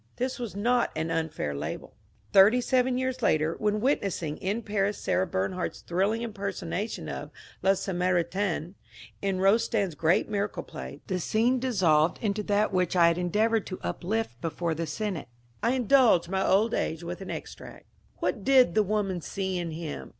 This was not an unfair label. Thirty seven years later, when witnessing in Paris Sarah Bemhardt*s thrilling impersonation of ^^ La Samaritaine," in Rostand's great miracle play, the scene dissolved into that which I had endeavoured to uplift before the Senate. I indulge my old age with an extract :— What did the woman see in him?